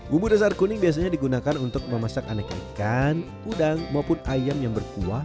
bumbu dasar kuning biasanya digunakan untuk memasak aneka ikan udang maupun ayam yang berkuah